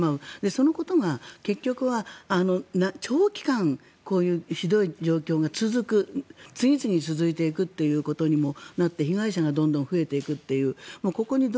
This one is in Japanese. そのことが結局は、長期間こういうひどい状況が続く次々続いていくということにもなって被害者がどんどん増えていくということになる。